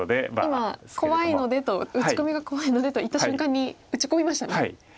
今「怖いので」と「打ち込みが怖いので」と言った瞬間に打ち込みましたね。